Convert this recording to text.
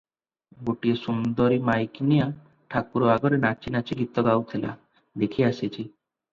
ଗୋଟିଏ ସୁନ୍ଦରୀ ମାଇକିନିଆ ଠାକୁର ଆଗରେ ନାଚି ନାଚି ଗୀତ ଗାଉଥିଲା, ଦେଖି ଆସିଛି ।